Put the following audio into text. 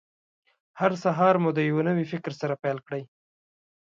هر سهار مو د یوه نوي فکر سره پیل کړئ.